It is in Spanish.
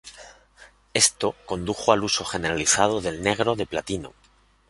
Esto condujo al uso generalizado del negro de platino.